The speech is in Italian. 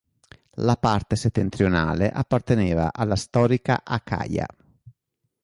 La parte settentrionale apparteneva alla storica Acaia.